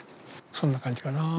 そんな感じかなあ。